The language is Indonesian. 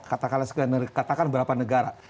katakan beberapa negara